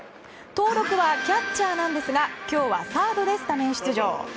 登録はキャッチャーなんですが今日はサードでスタメン出場。